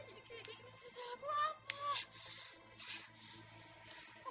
mau jadi kayak gini sih salah buat apa